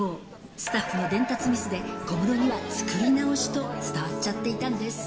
スタッフの伝達ミスで、小室には作り直しと伝わっちゃっていたんです。